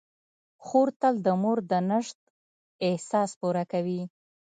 خور تل د مور د نشت احساس پوره کوي.